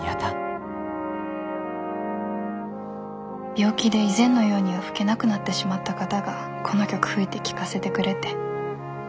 病気で以前のようには吹けなくなってしまった方がこの曲吹いて聴かせてくれて。